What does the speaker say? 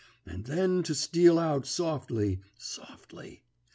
and then to steal out softly, softly!